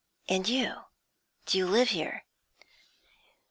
And you? Do you live here?'